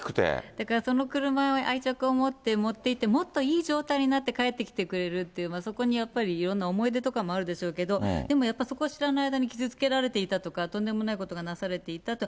だからその車に愛着を持って持っていって、もっといい状態になって帰ってきてくれるって、そこにやっぱりいろんな思い出とかもあるでしょうけど、でもやっぱりそこを知らない間に傷つけられていたとか、とんでもないことがなされていたと。